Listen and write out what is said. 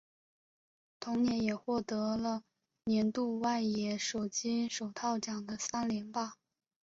同年也获得了年度外野手金手套奖的三连霸。